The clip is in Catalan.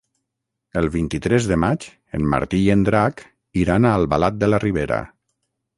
El vint-i-tres de maig en Martí i en Drac iran a Albalat de la Ribera.